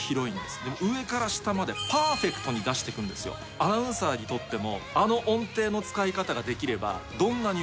アナウンサーにとっても。